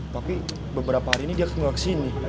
tapi beberapa hari ini dia gak kesini